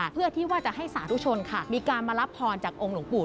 ก็จะให้สาธุชนค่ะมีการมารับพรจากองค์หลวงปู่